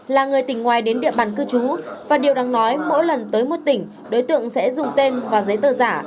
là người tỉnh ngoài đến địa bàn cư trú và điều đáng nói mỗi lần tới một tỉnh đối tượng sẽ dùng tên và giấy tờ giả